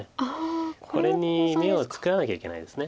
これに眼を作らなきゃいけないです。